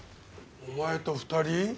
お前と２人？